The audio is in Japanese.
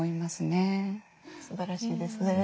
すばらしいですね。